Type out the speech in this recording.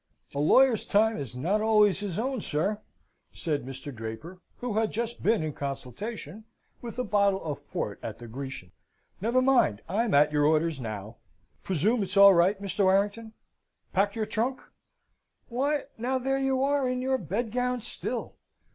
"A lawyer's time is not always his own, sir," said Mr. Draper, who had just been in consultation with a bottle of port at the Grecian. "Never mind, I'm at your orders now. Presume it's all right, Mr. Warrington. Packed your trunk? Why, now there you are in your bedgown still.